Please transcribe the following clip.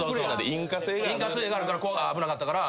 引火性があるから危なかったから。